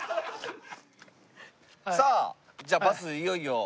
さあじゃあバスいよいよ。